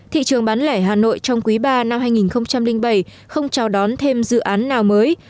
thị trường bán lẻ hà nội trong quý ba năm hai nghìn bảy không chào đón thêm dự án nào mới